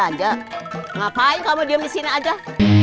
enggak ada yang nyebut